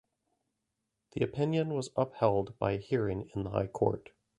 The opinion was upheld by a hearing in the High Court.